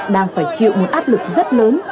đang phải chịu một áp lực rất lớn